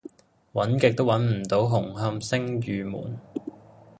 搵極都搵唔到紅磡昇御門